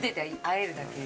あえるだけ。